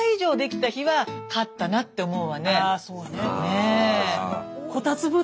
ああそうね。